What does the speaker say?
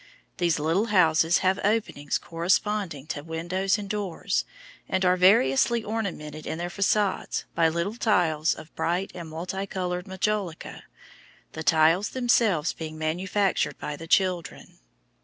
These little houses have openings corresponding to windows and doors, and are variously ornamented in their facades by little tiles of bright and multi coloured majolica: the tiles themselves being manufactured by the children.